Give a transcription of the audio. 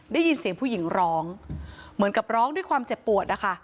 ได้ยินเสียงผู้หญิงร้องเหมือนกับร้องด้วยความเจ็บปวดนะคะ